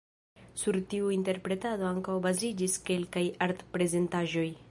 Sur tiu interpretado ankaŭ baziĝis kelkaj art-prezentaĵoj.